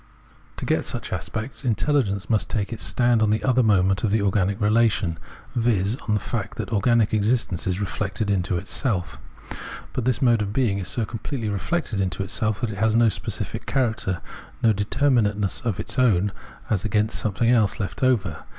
To get such aspects, intelligence must take its stand on the other moment of the organic relation, viz. on the fact that organic existence is reflected into itself. But this mode of being is so completely reflected into self that it has no specific character, no determinate ness of its own as against something else, left over.